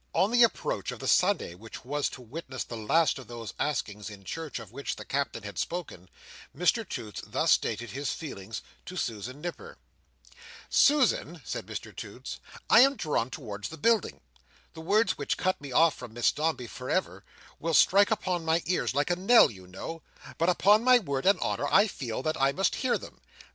On the approach of the Sunday which was to witness the last of those askings in church of which the Captain had spoken, Mr Toots thus stated his feelings to Susan Nipper. "Susan," said Mr Toots, "I am drawn towards the building. The words which cut me off from Miss Dombey for ever, will strike upon my ears like a knell you know, but upon my word and honour, I feel that I must hear them.